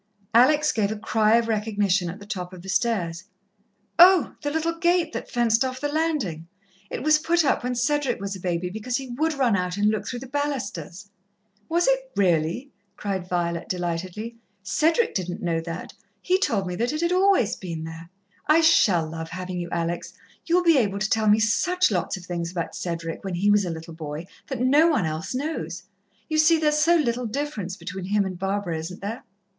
Alex gave a cry of recognition at the top of the stairs. "Oh, the little gate that fenced off the landing! It was put up when Cedric was a baby, because he would run out and look through the balusters." "Was it, really?" cried Violet delightedly. "Cedric didn't know that he told me that it had always been there. I shall love having you, Alex, you'll be able to tell me such lots of things about Cedric, when he was a little boy, that no one else knows. You see, there's so little difference between him and Barbara, isn't there?"